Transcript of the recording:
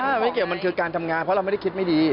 ไม่เกี่ยวมันคือการทำงานเพราะเราไม่ได้คิดไม่ดี